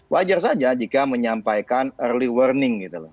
wajar saja jika menyampaikan early warning gitu loh